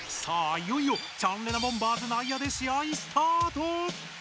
いよいよチャンレナボンバーズ内野で試合スタート！